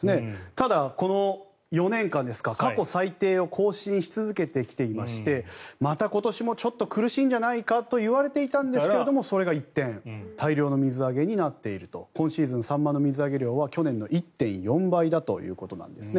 ただ、この４年間ですか過去最低を更新し続けていましてまた今年もちょっと苦しいんじゃないかと言われていたんですがそれが一転大量の水揚げになっている今シーズンサンマの水揚げ量は去年の１．４倍だということです。